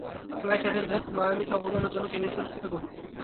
Flight attendant, মায়ামিতে অবতরণের জন্য কেবিন সুরক্ষিত করুন।